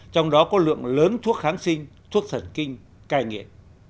trong đó có lượng lớn thuốc kháng sinh thuốc thần kinh cai nghiện